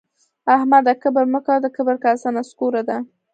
احمده کبر مه کوه؛ د کبر کاسه نسکوره ده